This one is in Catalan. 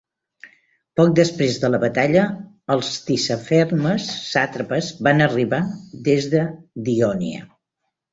Poc després de la batalla, els Tissaphernes sàtrapes van arribar des d"Ionia.